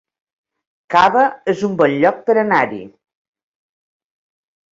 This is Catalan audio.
Cava es un bon lloc per anar-hi